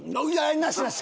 なしなし！